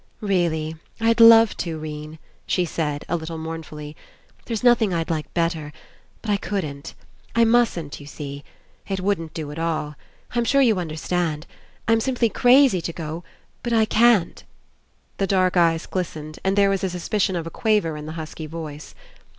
"Really, I'd love to, 'Rene," she said, a little mournfully. ^'There's nothing I'd like better. But I couldn't. I mustn't, you see. It wouldn't do at all. I'm sure you understand. I'm simply crazy to go, but I can't." The dark eyes glistened and there was a suspicion of a quaver in the husky voice.